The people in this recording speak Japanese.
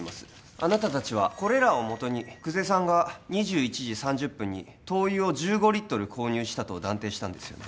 あなた達はこれらをもとに久世さんが２１時３０分に灯油を１５リットル購入したと断定したんですよね？